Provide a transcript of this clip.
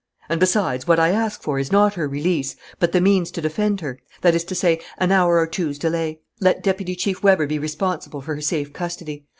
And, besides, what I ask for is not her release, but the means to defend her that is to say, an hour or two's delay. Let Deputy Chief Weber be responsible for her safe custody.